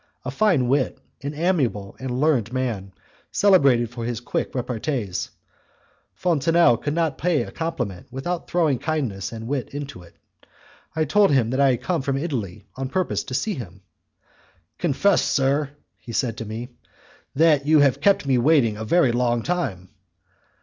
A fine wit, an amiable and learned man, celebrated for his quick repartees, Fontenelle could not pay a compliment without throwing kindness and wit into it. I told him that I had come from Italy on purpose to see him. "Confess, sir," he said to me, "that you have kept me waiting a very long time."